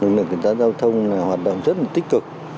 lực lượng cảnh sát giao thông hoạt động rất tích cực